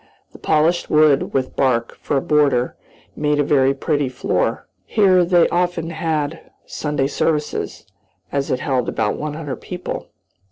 The polished wood, with bark for a border, made a very pretty floor. Here they often had Sunday services, as it held about one hundred people.